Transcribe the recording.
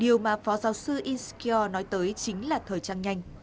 điều mà phó giáo sư inskyor nói tới chính là thời trang nhanh